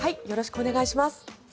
よろしくお願いします。